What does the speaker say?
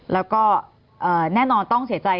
แล้วก็แน่นอนต้องเสียใจ